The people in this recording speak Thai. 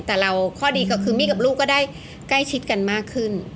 แต่เราข้อดีก็คือมี่กับลูกก็ได้ใกล้ชิดกันมากขึ้น